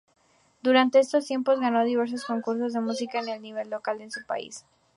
Durante esos tiempos ganó diversos concursos de música a nivel local en su país.